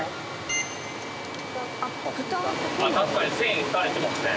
確かに栓がされてますね。